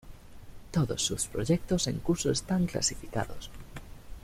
Todos sus proyectos en curso están clasificados.